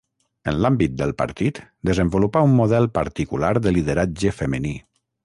En l'àmbit del partit, desenvolupà un model particular de lideratge femení.